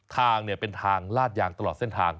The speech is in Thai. ทางเป็นทางลาดยางตลอดเส้นทาง